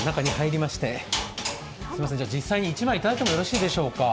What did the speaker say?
実際に１枚いただいてもよろしいでしょうか。